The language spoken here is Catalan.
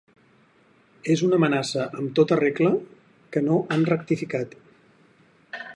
És una amenaça amb tota regla que no han rectificat.